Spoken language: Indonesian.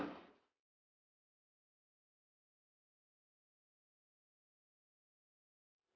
kalau engkau baru denneng bahas diistri pulang don